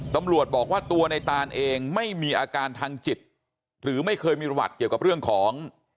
ตำรวจบอกว่าตัวในตานเองไม่มีอาการทางจิตหรือไม่เคยมีประวัติเกี่ยวกับเรื่องของ